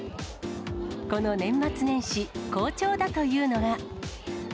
この年末年始、好調だというのが。